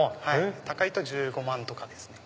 高いと１５万とかですね。